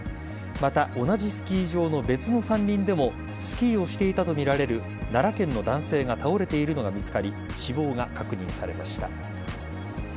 また、同じスキー場の別の山林でもスキーをしていたとみられる奈良県の男性が倒れているのが見つかり死亡が確認されました。